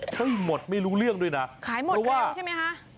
ให้หมดไม่รู้เรื่องด้วยนะขายหมดระวังใช่ไหมคะ